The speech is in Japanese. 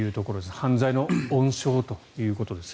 犯罪の温床ということですが。